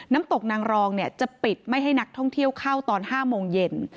น้ำตกนางรองจะปิดไม่ให้นักท่องเที่ยวเข้าตอน๕โมงเย็น